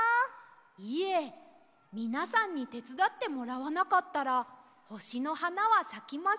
いえみなさんにてつだってもらわなかったらほしのはなはさきませんでした。